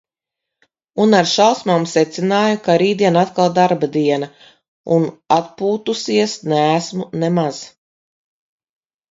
Un ar šausmām secināju, ka rītdien atkal darba diena. Un atpūtusies neesmu nemaz.